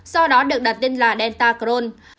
do đó được đặt tên là delta crohn